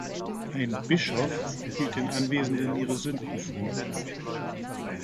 Ein "Bischof" hielt den Anwesenden ihre Sünden vor.